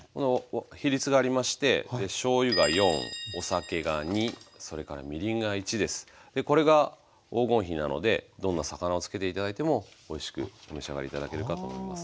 比率がありましてでこれが黄金比なのでどんな魚を漬けて頂いてもおいしくお召し上がり頂けるかと思います。